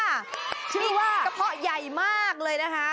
ที่ชื่อว่ากระพ่อใหญ่มากเลยนะคะ